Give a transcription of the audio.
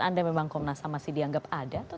anda memang komnas ham masih dianggap ada atau